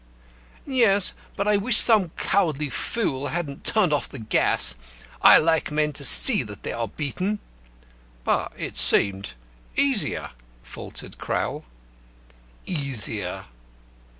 "Yes; but I wish some cowardly fool hadn't turned off the gas. I like men to see that they are beaten." "But it seemed easier," faltered Crowl. "Easier!"